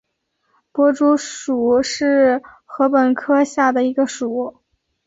薄竹属是禾本科下的一个属。